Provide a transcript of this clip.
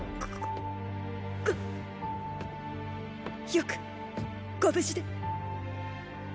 よくご無事で。